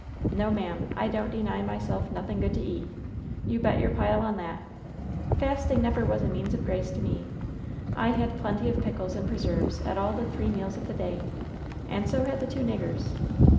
No, ma'am. I don't deny myself nothing good to eat. You bet your pile on that. Fasting never 146 LOVE'S BITTEREST CUP was no means of ^ace to me. I had plenty of pickles and preserves at all the three meals of the day. And so had the two niggers.